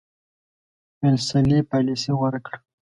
ویلسلي پالیسي غوره کړه.